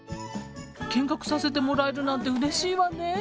見学させてもらえるなんてうれしいわね。